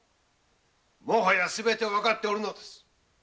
もはやすべてわかっておるのです。